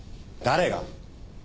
誰が？